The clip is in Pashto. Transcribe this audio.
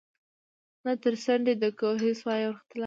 نه تر څنډی د کوهي سوای ورختلای